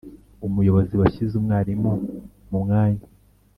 Umuyobozi washyize umwarimu mu mwanya